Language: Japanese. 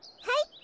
はい！